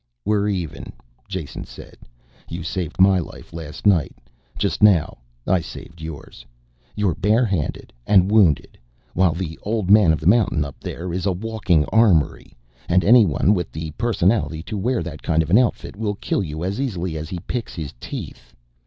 "We're even," Jason said. "You saved my life last night, just now I saved yours. You're bare handed and wounded while the old man of the mountain up there is a walking armory, and anyone with the personality to wear that kind of an outfit will kill you as easily as he picks his teeth.